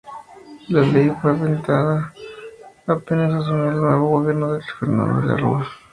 La ley fue vetada apenas asumió el nuevo gobierno de Fernando De la Rúa.